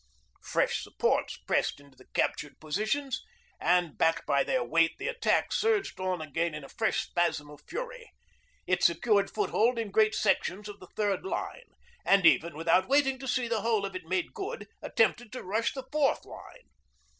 Fresh supports pressed into the captured positions, and, backed by their weight, the attack surged on again in a fresh spasm of fury. It secured foothold in great sections of the third line, and even, without waiting to see the whole of it made good, attempted to rush the fourth line.